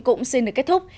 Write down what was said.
cũng xin được kết thúc